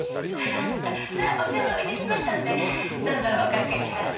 あっさあお茶をお淹れしましたのでどうぞおかけになって。